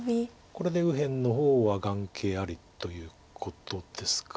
これで右辺の方は眼形ありということですか。